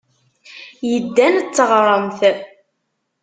Yeddan d teɣremt.